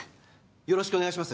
よろしくお願いします